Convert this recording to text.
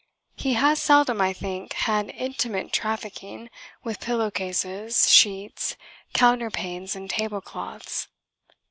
He has seldom, I think, had intimate trafficking with pillow cases, sheets, counterpanes and tablecloths.